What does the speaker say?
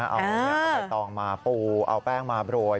เอาใบตองมาปูเอาแป้งมาโรย